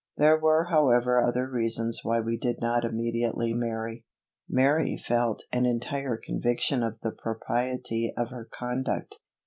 There were however other reasons why we did not immediately marry. Mary felt an entire conviction of the propriety of her conduct.